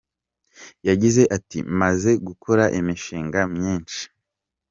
com yagize ati “ Maze gukora imishinga myinshi.